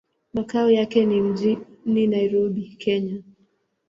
Makao yake ni mjini Nairobi, Kenya.